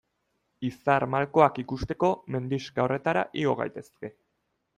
Izar malkoak ikusteko mendixka horretara igo gaitezke.